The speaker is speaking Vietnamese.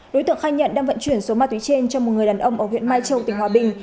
đối tượng khai nhận đang vận chuyển số ma túy trên cho một người đàn ông ở huyện mai châu tỉnh hòa bình